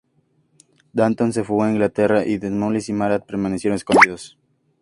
Danton se fugó a Inglaterra y Desmoulins y Marat permanecieron escondidos.